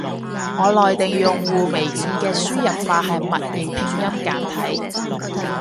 我內地用戶，微軟嘅輸入法係默認拼音簡體。